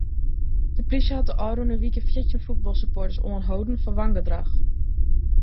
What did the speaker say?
De plysje hat de ôfrûne wike fjirtjin fuotbalsupporters oanholden foar wangedrach.